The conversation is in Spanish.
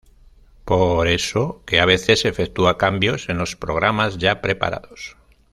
Por eso que a veces efectúa cambios en los programas ya preparados.